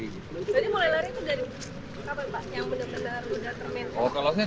jadi mulai lari itu dari kapan pak